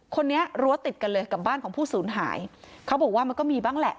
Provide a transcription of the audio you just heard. คนนี้รั้วติดกันเลยกับบ้านของผู้สูญหายเขาบอกว่ามันก็มีบ้างแหละ